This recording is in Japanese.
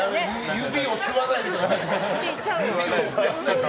指を吸わないでください。